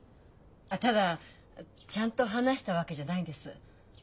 あっただちゃんと話したわけじゃないんです。